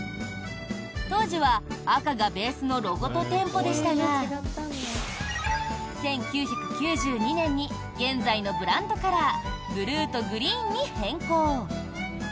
当時は赤がベースのロゴと店舗でしたが１９９２年に現在のブランドカラーブルーとグリーンに変更！